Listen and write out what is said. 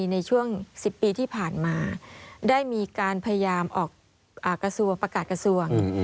ในช่วง๑๐ปีที่ผ่านมาได้มีการพยายามออกกระทรวงประกาศกระทรวง